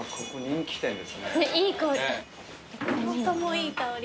いい香り。